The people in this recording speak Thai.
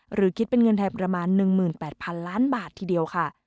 หรือคิดเป็นเงินไทยประมาณ๑๘๐๐๐ล้านบาททีเดียวค่ะ